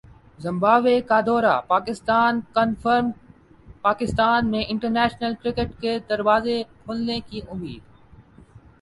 Zimbabwe کا دورہ Pakistan confirm Pakistan میں انٹرنیشنل کرکٹ کے دروازے کھلنے کی امید